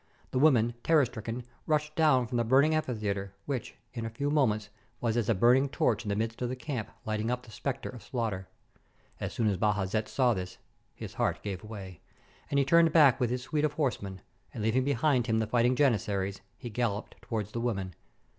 The women, terror stricken, rushed down from the burning amphitheater, which, in a few mo ments, was as a burning torch in the midst of the camp, lighting up the spectacle of slaughter. As soon as Baja zet saw this his heart gave way, and he turned back with his suite of horsemen, and, leaving behind him the fighting Janizaries, he galloped towards the women.